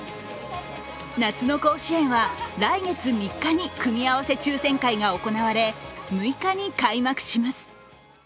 夏の甲子園は来月３日に組み合わせ抽選会が行われ６日に開幕します。